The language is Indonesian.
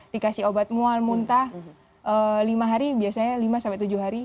dikasih obat mual muntah lima hari biasanya lima sampai tujuh hari